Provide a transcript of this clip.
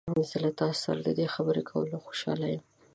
زه له تاسو سره د دې خبرې کولو خوشحاله یم.